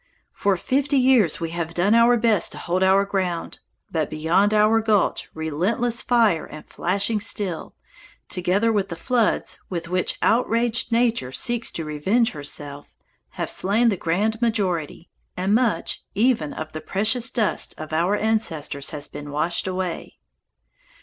For fifty years we have done our best to hold our ground, but beyond our gulch relentless fire and flashing steel, together with the floods with which outraged Nature seeks to revenge herself, have slain the grand majority, and much, even, of the precious dust of our ancestors has been washed away."